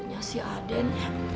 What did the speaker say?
karunya si aden